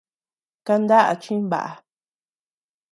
Kandaʼá chimbaʼa.